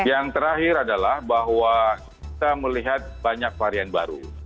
yang terakhir adalah bahwa kita melihat banyak varian baru